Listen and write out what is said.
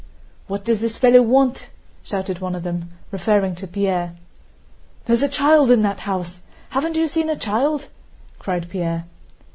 "What does this fellow want?" shouted one of them referring to Pierre. "There's a child in that house. Haven't you seen a child?" cried Pierre.